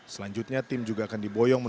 selanjutnya tim juga akan diboyong